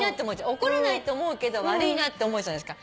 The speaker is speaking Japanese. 怒らないと思うけど悪いなって思うじゃないですか。